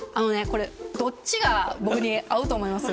これどっちが僕に合うと思います？」